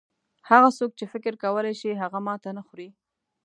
هغه څوک چې فکر کولای شي هغه ماته نه خوري.